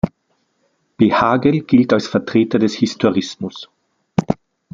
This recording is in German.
Behaghel gilt als Vertreter des Historismus.